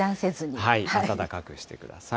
暖かくしてください。